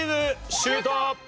シュート！